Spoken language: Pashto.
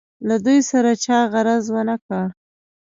له دوی سره چا غرض ونه کړ.